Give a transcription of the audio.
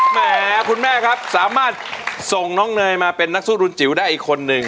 แหมคุณแม่ครับสามารถส่งน้องเนยมาเป็นนักสู้รุนจิ๋วได้อีกคนนึง